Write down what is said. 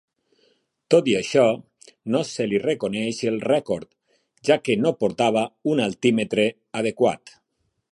Tot i això, no se li reconeix el rècord, ja que no portava un altímetre adequat.